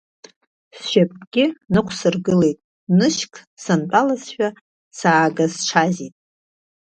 Сшьапгьы нықәсыргылеит, нышьк снантәалазшәа саагазҽазит.